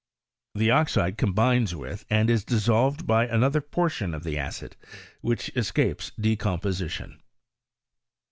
The oxide combines with and it dissolved by another portion of the acid which escapes decomposition.